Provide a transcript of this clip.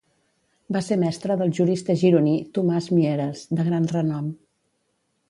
Va ser mestre del jurista gironí Tomàs Mieres, de gran renom.